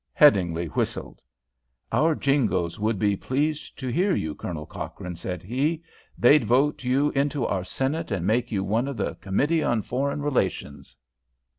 Headingly whistled. "Our Jingoes would be pleased to hear you, Colonel Cochrane," said he. "They'd vote you into our Senate and make you one of the Committee on Foreign Relations."